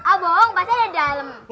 ah bohong pasti ada di dalem